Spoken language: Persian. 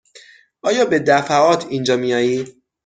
آیا به دفعات اینجا می آیید؟